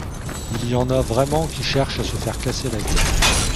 Il y en a vraiment qui cherchent à se faire casser la gueule